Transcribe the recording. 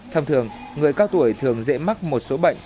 thông thường người cao tuổi thường dễ mắc một số bệnh